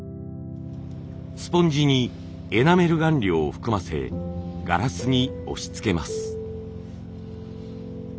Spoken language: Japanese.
スポンジにエナメル顔料を含ませガラスに押しつけます。